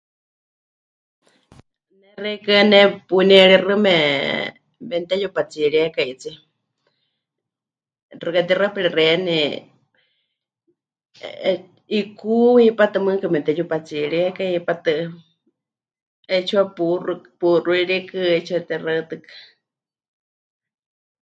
Xeikɨ́a nepunierixɨ memɨteyupatsiríekaitsie, xɨka tixaɨ perexeiyani, eh, 'ikú hipátɨ mɨɨkɨ mepɨteyupatsiríekai, hipátɨ 'etsiwa puuxukɨ, puuxúrikɨ, 'eetsiwa tixaɨtɨkɨ.